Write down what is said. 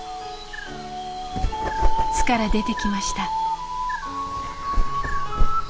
巣から出てきました。